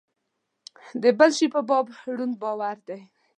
د بل شي په باب ړوند باور دی.